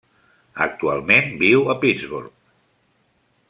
Actualment viu a Pittsburgh.